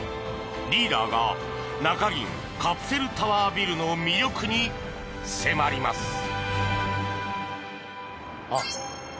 リーダーが中銀カプセルタワービルの魅力に迫ります。